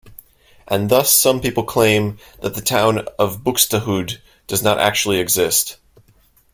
And thus some people claim that the town of Buxtehude does not actually exist.